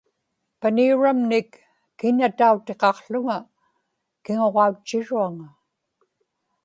paniuramnik kinatautiqaqłuŋa kiŋuġautchiruaŋa